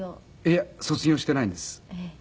いや卒業はしていないんです。